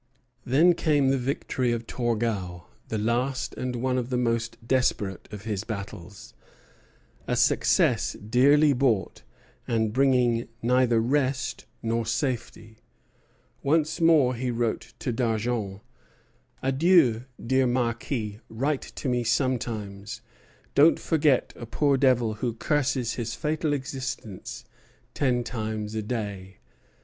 Then came the victory of Torgau, the last and one of the most desperate of his battles: a success dearly bought, and bringing neither rest nor safety. Once more he wrote to D'Argens: "Adieu, dear Marquis; write to me sometimes. Don't forget a poor devil who curses his fatal existence ten times a day."